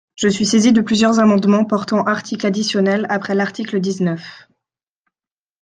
Je suis saisi de plusieurs amendements portant articles additionnels après l’article dix-neuf.